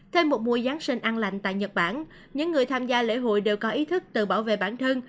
thêm một mùa giáng sinh an lành tại nhật bản những người tham gia lễ hội đều có ý thức tự bảo vệ bản thân